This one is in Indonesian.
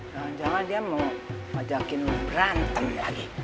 jangan jangan dia mau ajakin lo berantem lagi